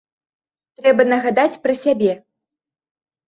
Трэба нагадаць пра сябе.